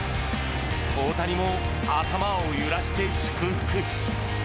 大谷も頭を揺らして祝福。